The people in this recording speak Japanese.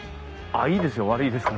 ああいいですよ。